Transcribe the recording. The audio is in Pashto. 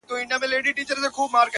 څه کلونه بېخبره وم له ځانه!